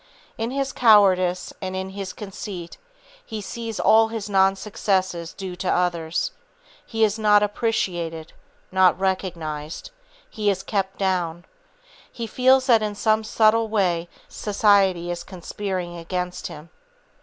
In his cowardice and his conceit he sees all his non success due to others. He is "not appreciated," "not recognized," he is "kept down." He feels that in some subtle way "society is conspiring against him."